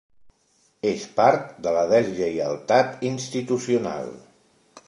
És part de la deslleialtat institucional.